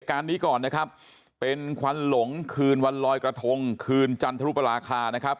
การนี้ก่อนนะครับเป็นควันหลงคืนวันลอยกระทงคืนจันทรุปราคานะครับ